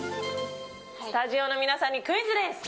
スタジオの皆さんにクイズです。